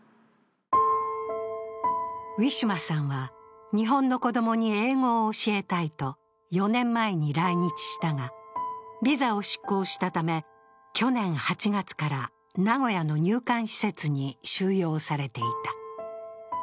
ウィシュマさんは、日本の子供に英語を教えたいと４年前に来日したがビザを失効したため、去年８月から名古屋の入管施設に収容されていた。